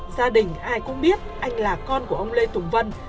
gia đình ai cũng biết anh là con của ông lê tùng vân